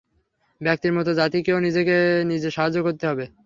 ব্যক্তির মত জাতিকেও নিজেকে নিজে সাহায্য করতে হবে।